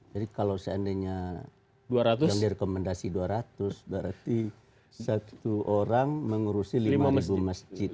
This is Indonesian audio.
jadi kalau seandainya yang direkomendasi dua ratus berarti satu orang mengurusi lima masjid